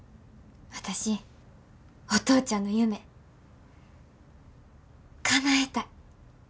私お父ちゃんの夢かなえたい。